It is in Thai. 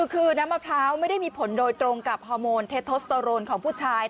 คือน้ำมะพร้าวไม่ได้มีผลโดยตรงกับฮอร์โมนเทโทสโตโรนของผู้ชาย